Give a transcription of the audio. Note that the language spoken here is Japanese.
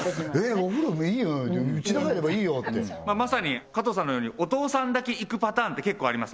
お風呂いいようちで入ればいいよってまさに加藤さんのようにお父さんだけ行くパターンって結構あります